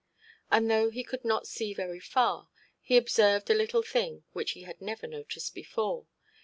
And though he could not see very far, he observed a little thing which he had never noticed before.